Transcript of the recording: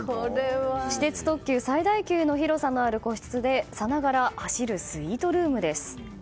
私鉄特急最大級の広さのある個室でさながら走るスイートルームです。